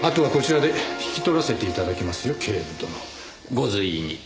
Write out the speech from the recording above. ご随意に。